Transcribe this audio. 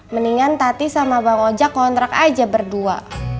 meningan tatis sama bang ojak kontrak aja berdua